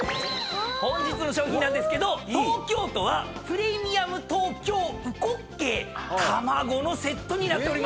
本日の賞品なんですけど東京都はプレミアム東京うこっけい卵のセットになっております。